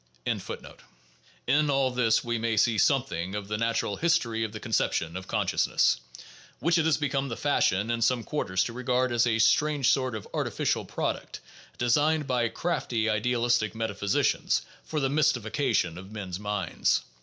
598 THE JOURNAL OF PHILOSOPHY In all this we may see something of the natural history of the conception of consciousness, which it has become the fashion in some quarters to regard as a strange sort of artificial product designed by crafty idealistic metaphysicians for the mystification of men 's minds.